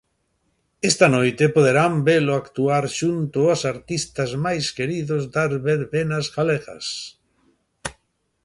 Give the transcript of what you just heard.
Esta noite poderán velo actuar xunto aos artistas máis queridos das verbenas galegas.